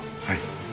はい。